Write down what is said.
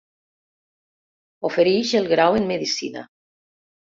Ofereix el grau en Medicina.